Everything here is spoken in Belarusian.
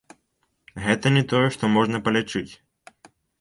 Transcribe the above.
Гэта не тое, што можна палічыць.